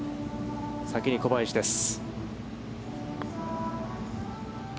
先に小林です。